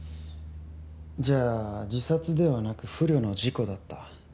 じゃあ自殺ではなく不慮の事故だった。